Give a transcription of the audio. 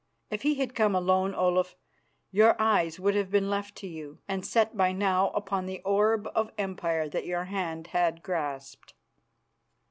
If he had come alone, Olaf, your eyes would have been left to you, and set by now upon the orb of empire that your hand had grasped."